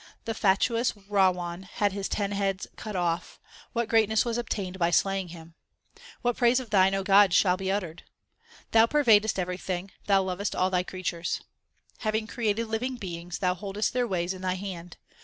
The fatuous Rawan 2 had his ten heads cut off ; what greatness was obtained by slaying him ? What praise of Thine, O God, shall be uttered ? Thou pervadest everything ; Thou lovest all Thy creatures. Having created living beings, Thou holdest their ways in Thy hand.